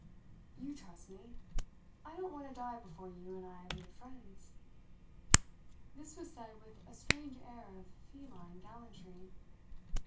"You trust me. I don't want to die before you and I have made friends." This was said with a strange air of feline gallantry.